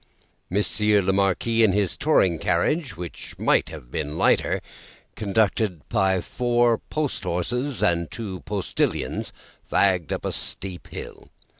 Monsieur the Marquis in his travelling carriage (which might have been lighter), conducted by four post horses and two postilions, fagged up a steep hill.